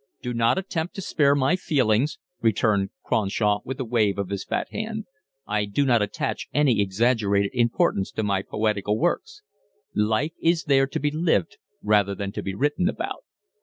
"Do not attempt to spare my feelings," returned Cronshaw, with a wave of his fat hand. "I do not attach any exaggerated importance to my poetical works. Life is there to be lived rather than to be written about.